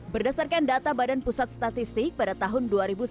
berdasarkan data badan pusat statistik pada tahun dua ribu sembilan belas